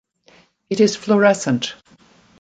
It is fluorescent.